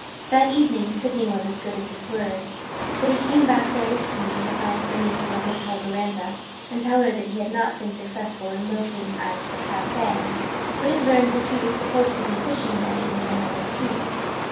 That evening Sydney was as good as his word. But he came back very soon to find Bernice on the hotel veranda and tell her that he had not been successful in locating Ike at the café but had learned that he was supposed to be fishing that evening at Number Three.